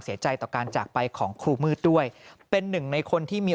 เสียใจต่อการจากไปของครูมืดด้วยเป็นหนึ่งในคนที่มี